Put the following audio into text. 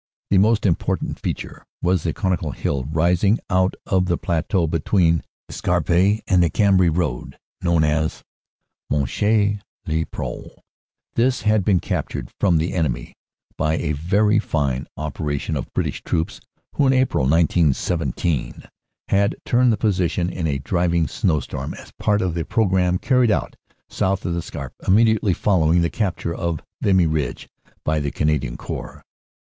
The most important feature was the conical hill rising out of the plateau between the Scarpe and the Cambrai road known as Monchy le Preux. This had been captured from the enemy by a very fine opera PLANNING ATTACK ON HINDENBURG LINE 113 tion of British troops who in April, 1917, had turned the posi tion in a driving snowstorm as part of the programme carried out south of the Scarpe immediately following the capture of Vimy Ridge by the Canadian Corps.